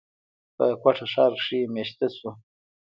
پۀ کوئټه ښار کښې ميشته شو،